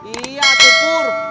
iya tuh purr